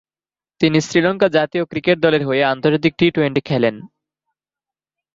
তিনি শ্রীলঙ্কা জাতীয় ক্রিকেট দলের হয়ে আন্তর্জাতিক টি-টোয়েন্টি খেলেন।